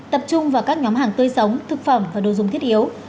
tập trung vào các nhóm hàng tươi sống thực phẩm và đồ dùng thiết yếu